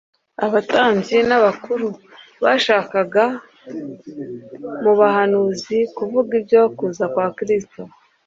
abatambyi n’abakuru bashakashaka mu buhanuzi buvuga ibyo kuza kwa Kristo